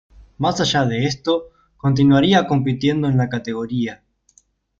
Más allá de esto, continuaría compitiendo en la categoría.